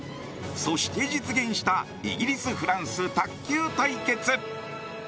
そして実現したイギリス・フランス卓球対決！